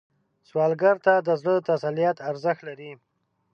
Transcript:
سوالګر ته د زړه تسلیت ارزښت لري